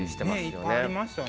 ねっいっぱいありましたね。